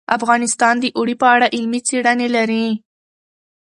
افغانستان د اوړي په اړه علمي څېړنې لري.